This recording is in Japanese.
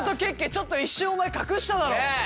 ちょっと一瞬お前隠しただろ。